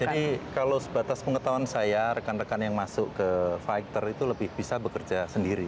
kalau sebatas pengetahuan saya rekan rekan yang masuk ke fighter itu lebih bisa bekerja sendiri